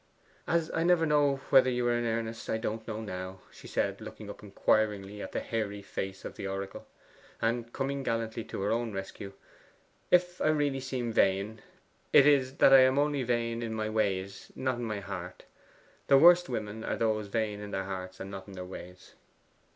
'As I never know whether you are in earnest, I don't now,' she said, looking up inquiringly at the hairy face of the oracle. And coming gallantly to her own rescue, 'If I really seem vain, it is that I am only vain in my ways not in my heart. The worst women are those vain in their hearts, and not in their ways.